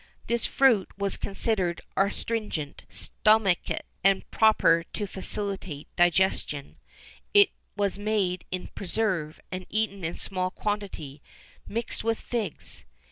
[XIV 19] This fruit was considered astringent,[XIV 20] stomachic, and proper to facilitate digestion.[XIV 21] It was made into preserve, and eaten in small quantity, mixed with figs.